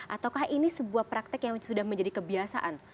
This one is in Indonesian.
ataukah ini sebuah praktek yang sudah menjadi kebiasaan